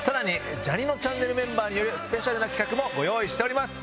ジャにのちゃんねるメンバーによるスペシャルな企画もご用意してます。